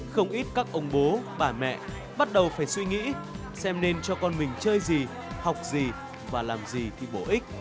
không ít các ông bố bà mẹ bắt đầu phải suy nghĩ xem nên cho con mình chơi gì học gì và làm gì thì bổ ích